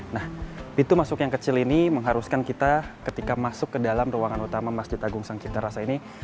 nah pintu masuk yang kecil ini mengharuskan kita ketika masuk ke dalam ruangan utama masjid agung sang citarasa ini